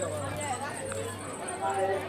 大学头。